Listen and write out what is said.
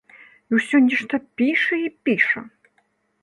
І ўсё нешта піша і піша.